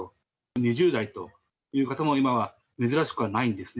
２０代という方も今は珍しくはないんですね。